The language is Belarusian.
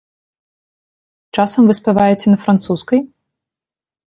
Часам вы спяваеце на французскай?